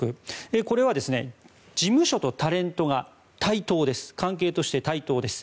これは、事務所とタレントが関係として対等です。